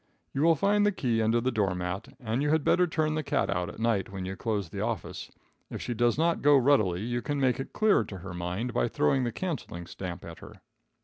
You will find the key under the door mat, and you had better turn the cat out at night when you close the office. If she does not go readily, you can make it clearer to her mind by throwing the cancelling stamp at her.